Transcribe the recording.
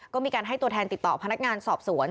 ก็มีการให้ตัวแทนติดต่อพนักงานสอบสวน